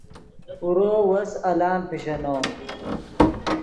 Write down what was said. اورو وس الان پیشینو